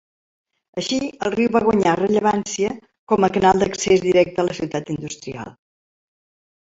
Així, el riu va guanyar rellevància com a canal d'accés directe a la ciutat industrial.